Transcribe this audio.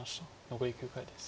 残り９回です。